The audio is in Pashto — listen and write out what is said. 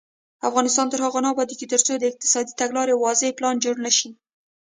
افغانستان تر هغو نه ابادیږي، ترڅو د اقتصادي تګلارې واضح پلان جوړ نشي.